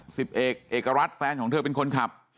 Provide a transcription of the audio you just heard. สิบเอกเอกรัฐแฟนของเธอเป็นคนขับ